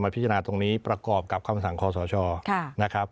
พิจารณาตรงนี้ประกอบกับคำสั่งคอสชนะครับ